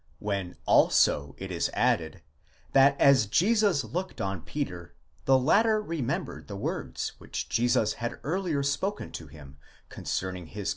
When also it is added, that as Jesus looked on Peter the latter remembered the words which Jesus had earlier spoken to him concerning his.